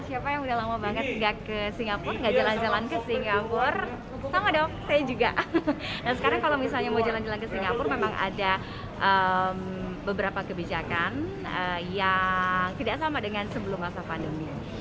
yang tidak sama dengan sebelum masa pandemi